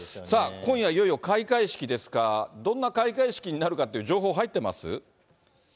さあ、今夜いよいよ開会式ですが、どんな開会式になるかっていう情報、入ってます？